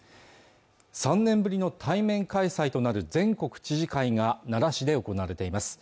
３年ぶりの対面開催となる全国知事会が奈良市で行われています